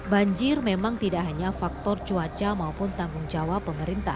banjir memang tidak hanya faktor cuaca maupun tanggung jawab pemerintah